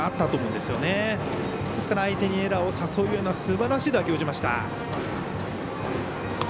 ですから、相手にエラーを誘うようなすばらしい打球でした。